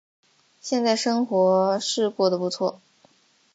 现在生活是过得不错